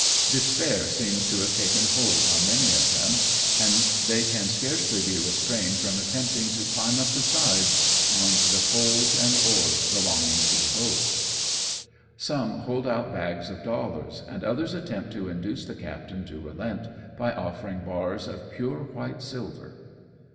Despair seems to have taken hold on many of them, and they can scarcely be restrained from attempting to climb up the sides, on the poles and oars belonging to the boats. 234 AMONG TYPHOONS AND PIRATE CRAFT. Some hold out bags of dollars, and others attempt to induce the captain to relent by offering bars of pure white silver.